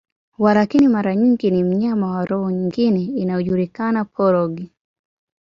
Walakini, mara nyingi ni mnyama wa roho nyingine inayojulikana, polong.